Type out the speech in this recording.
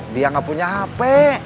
dia gak punya hp